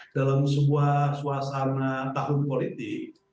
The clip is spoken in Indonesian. dalam sebuah suasana tahun politik